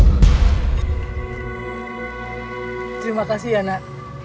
terima kasih ya nak